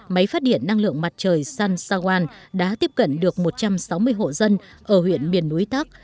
máy phát điện năng lượng mặt trời sunsawan đã tiếp cận được một trăm sáu mươi hộ dân ở huyện biển núi thác